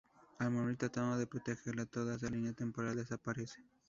Al morir tratando de protegerla, toda esa línea temporal desaparece.